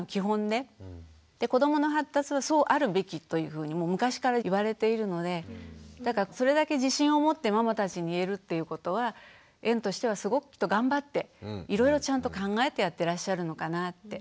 で子どもの発達はそうあるべきというふうに昔から言われているのでだからそれだけ自信を持ってママたちに言えるっていうことは園としてはすごくきっと頑張っていろいろちゃんと考えてやってらっしゃるのかなって。